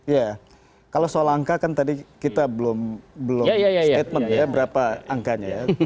ya kalau soal angka kan tadi kita belum statement ya berapa angkanya ya